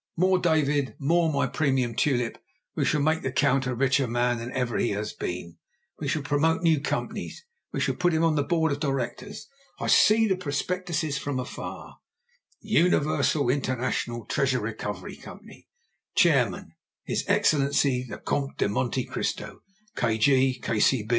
More, David; more, my premium tulip: we shall make the Count a richer man than ever he has been. We shall promote new companies, we shall put him on the board of directors. I see the prospectuses from afar. UNIVERSAL INTERNATIONAL TREASURE RECOVERY COMPANY. Chairman. His Excellency the COMTE DE MONTE CRISTO.